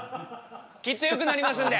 きっとよくなりますんで！